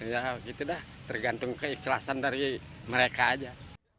ya gitu dah tergantung keikhlasan dari mereka aja